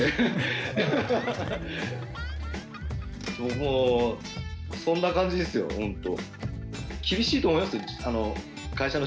もうそんな感じですよ、本当。